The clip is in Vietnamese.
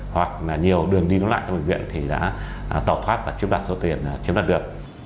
hoặc là nhiều đường đi nó lại trong bệnh viện thì đã tỏa thoát và chiếm đạt số tiền chiếm đạt được